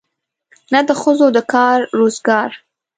نه د ښځو د کار روزګار.